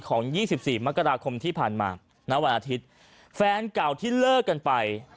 ๒๔มกราคมที่ผ่านมาณวันอาทิตย์แฟนเก่าที่เลิกกันไป